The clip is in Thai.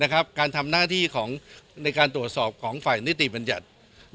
การทำหน้าที่ของในการตรวจสอบของฝ่ายนิติบัญญัติ